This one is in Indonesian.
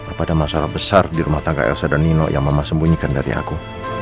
kepada masalah besar di rumah tangga elsa dan nino yang mama sembunyikan dari aku